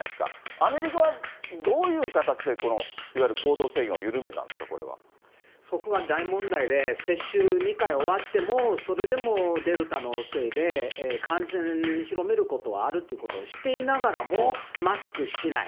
アメリカは、どういう形でいわゆる行動制限を緩めたんですか、こそこが大問題で、接種２回終わっても、それでもデルタのせいで感染広めることはあるということを知っていながらも、マスクしない。